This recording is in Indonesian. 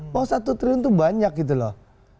bahwa satu triliun itu banyak gitu loh